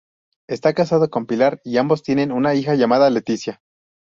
Está casado con Pilar y ambos tienen una hija llamada Leticia.